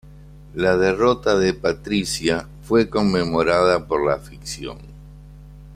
La derrota de Patrícia fue conmemorada por la afición.